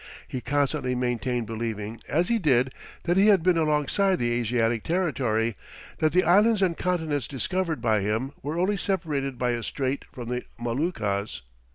He constantly maintained, believing as he did that he had been alongside the Asiatic territory, that the islands and continents discovered by him were only separated by a strait from the Moluccas.